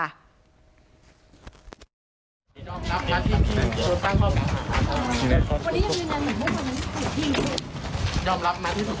นายพงพัฒน์อายุ๒๒ปีหนุ่มคนสนิทของน้องดาวก็๒ข้อหาเหมือนกันค่ะ